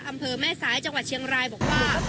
อำเภอแม่สายจังหวัดเชียงรายบอกว่า